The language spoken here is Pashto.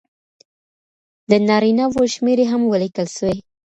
د نارینه وو شمېرې هم ولیکل سوې.